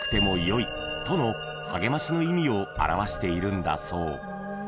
［励ましの意味を表しているんだそう］